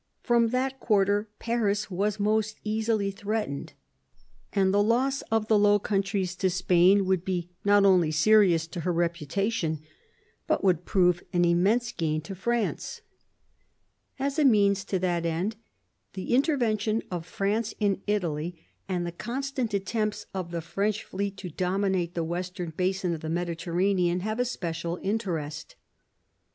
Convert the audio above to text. From that quarter Paris was most easily threatened, and the loss of the Low Countries to Spain would be not only serious to her reputation, but would prove an immense gain to France. As a means to that end the intervention of France in Italy, and the constant attempts of the French fleet to dominate the western basin of the Mediterranean, have a special interest.